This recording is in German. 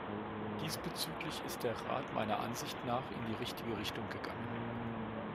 Diesbezüglich ist der Rat meiner Ansicht nach in die richtige Richtung gegangen.